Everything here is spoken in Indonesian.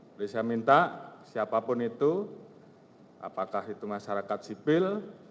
jadi saya minta siapapun itu apakah itu masyarakat sipil